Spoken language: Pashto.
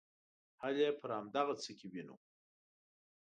حل یې پر همدغه څه کې وینو.